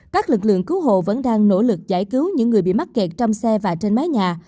các lực lượng cứu hộ vẫn đang nỗ lực giải cứu những người bị mắc kẹt trong xe và trên mái nhà